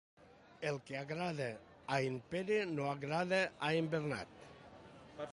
El que agrada a en Pere no agrada a en Bernat.